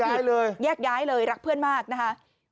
ย้ายเลยแยกย้ายเลยรักเพื่อนมากนะคะ